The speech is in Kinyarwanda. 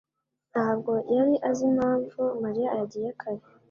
ntabwo yari azi impamvu Mariya yagiye kare.